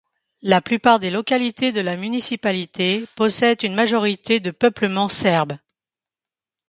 La plupart des localités de la municipalité possèdent une majorité de peuplement serbe.